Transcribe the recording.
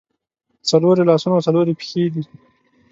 څلور یې لاسونه او څلور یې پښې دي.